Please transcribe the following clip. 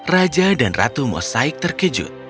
raja dan ratu mosaik terkejut